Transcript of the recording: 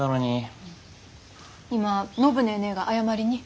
今暢ネーネーが謝りに。